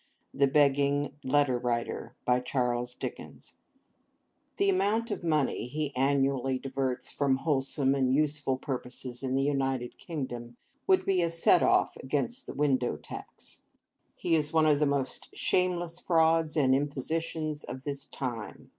THE BEGGING LETTER WRITER THE amount of money he annually diverts from wholesome and useful purposes in the United Kingdom, would be a set off against the Window Tax. He is one of the most shameless frauds and impositions of this time.